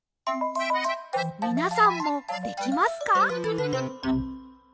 みなさんもできますか？